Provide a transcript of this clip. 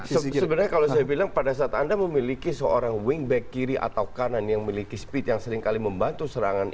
sebenarnya kalau saya bilang pada saat anda memiliki seorang wingback kiri atau kanan yang memiliki speed yang seringkali membantu serangan